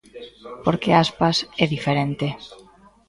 Porque Aspas é diferente.